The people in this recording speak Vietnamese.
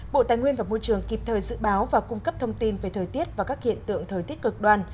bộ tài nguyên và môi trường kịp thời dự báo và cung cấp thông tin về thời tiết và các hiện tượng thời tiết cực đoan